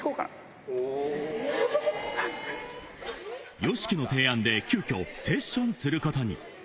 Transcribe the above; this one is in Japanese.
ＹＯＳＨＩＫＩの提案で急きょセッションすることに。